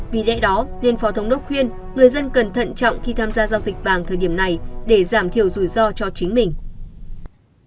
vì lẽ đó nên phó thống đốc khuyên người dân cần thận trọng khi tham gia giao dịch vàng thời điểm này để giảm thiểu rủi ro cho chính mình